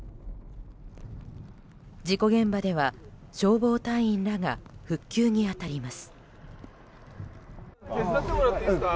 事故現場では消防隊員らが復旧に当たります。